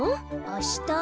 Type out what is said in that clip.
あした？